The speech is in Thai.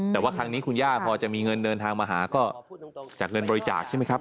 แต่ว่าครั้งนี้คุณย่าพอจะมีเงินเดินทางมาหาก็จากเงินบริจาคใช่ไหมครับ